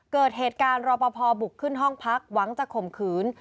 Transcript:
เกิดเหตุการณ์รอปภบุกขึ้นห้องพักหวังจะข่มขืน